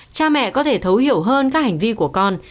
cha mẹ có thể thấu hiểu hơn các hành vi của con